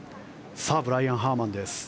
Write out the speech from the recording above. ブライアン・ハーマンです。